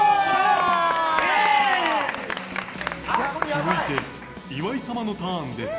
続いて、岩井様のターンです。